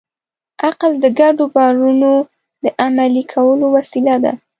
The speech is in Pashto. عقل د ګډو باورونو د عملي کولو وسیله ده.